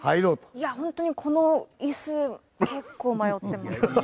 いやホントにこの椅子結構迷ってます私。